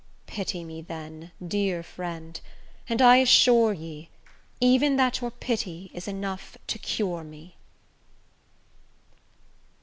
Pity me then, dear friend, and I assure ye, Even that your pity is enough to cure me.